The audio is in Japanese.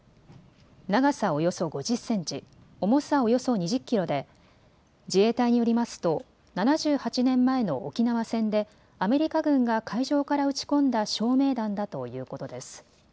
長さおよそ５０センチ、重さおよそ２０キロで自衛隊によりますと７８年前の沖縄戦でアメリカ軍が海上から撃ち込んだ照明弾だということです。